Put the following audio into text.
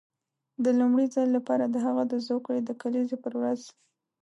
د لومړي ځل لپاره د هغه د زوکړې د کلیزې پر ورځ.